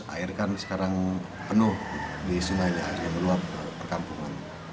air kan sekarang penuh di sungai di luar perkampungan